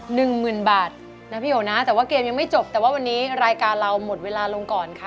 หนึ่งหมื่นบาทนะพี่โอนะแต่ว่าเกมยังไม่จบแต่ว่าวันนี้รายการเราหมดเวลาลงก่อนค่ะ